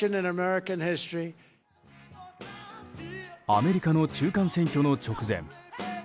アメリカの中間選挙の直前